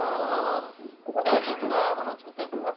ここではどんなものを作ってるんですか？